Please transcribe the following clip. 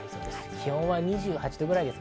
気温は２８度くらいです。